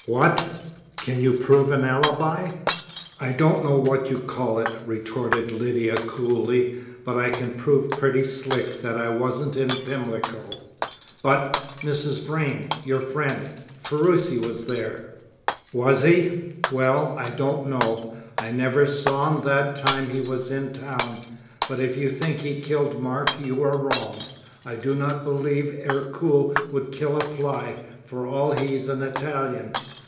"What! Can you prove an alibi?" "I don't know what you call it," retorted Lydia coolly, "but I can prove pretty slick that I wasn't in Pimlico." "But Mrs. Vrain your friend Ferruci was there!" "Was he? Well, I don't know. I never saw him that time he was in town. But if you think he killed Mark you are wrong. I do not believe Ercole would kill a fly, for all he's an Italian."